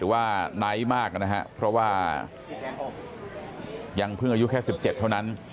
ว่าไนท์มากนะครับเพราะว่ายังเพิ่งอายุแค่๑๗เท่านั้น